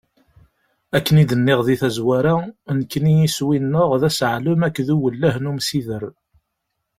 Akken i d-nniɣ di tazwara, nekni iswi-nneɣ d aseɛlem akked uwellah n umsider.